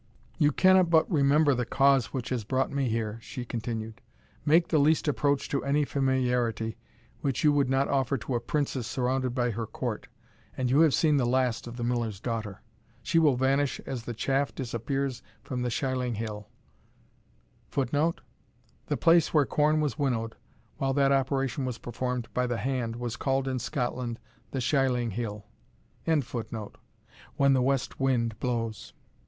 "You cannot but remember the cause which has brought me here," she continued; "make the least approach to any familiarity which you would not offer to a princess surrounded by her court, and you have seen the last of the Miller's daughter She will vanish as the chaff disappears from the shieling hill [Footnote: The place where corn was winnowed, while that operation was performed by the hand, was called in Scotland the Shieling hill.] when the west wind blows."